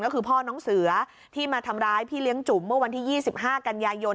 ก็คือพ่อน้องเสือที่มาทำร้ายพี่เลี้ยงจุ๋มเมื่อวันที่๒๕กันยายน